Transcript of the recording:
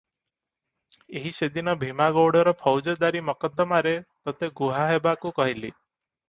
ଏହି ସେଦିନ ଭୀମା ଗଉଡ଼ର ଫୌଜଦାରୀ ମକଦ୍ଦମାରେ ତୋତେ ଗୁହା ହେବାକୁ କହିଲି